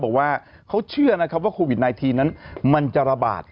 บอกว่าเขาเชื่อนะครับว่าโควิด๑๙นั้นมันจะระบาด